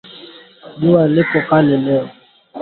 Juwa iko makali leo